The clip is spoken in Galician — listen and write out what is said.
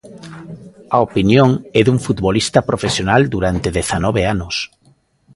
O opinión é dun futbolista profesional durante dezanove anos.